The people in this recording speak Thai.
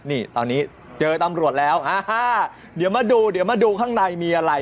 นี่ตอนนี้เจอตำรวจแล้วอ่าเดี๋ยวมาดูเดี๋ยวมาดูข้างในมีอะไร